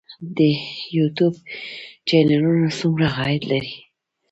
د یوټیوب چینلونه څومره عاید لري؟